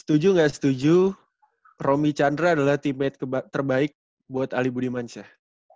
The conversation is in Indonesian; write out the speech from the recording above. setuju gak setuju romy chandra adalah teammate terbaik buat ali budi mansyah